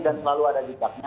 dan selalu ada jejaknya